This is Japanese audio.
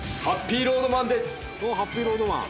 ハッピーロードマンです！